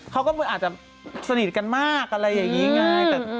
เขาก็อาจจะสนิทกันมากอะไรอย่างนี้ไง